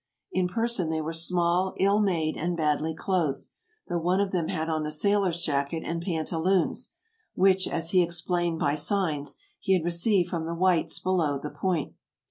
In person they were small, ill made, and badly clothed; though one of them had on a sailor's jacket and pantaloons, which, as he explained by signs, he had received from the whites below the point.